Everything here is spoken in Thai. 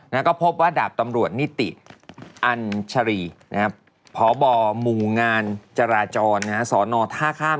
แล้วก็พบว่าดาบตำรวจนิติอัญชรีนะครับพบหมู่งานจราจรสอนอท่าข้าม